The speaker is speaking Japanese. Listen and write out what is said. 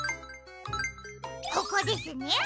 ここですね。